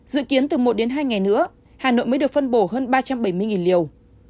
dự kiến từ một đến hai ngày nữa hà nội mới được phân bổ hơn ba trăm bảy mươi liều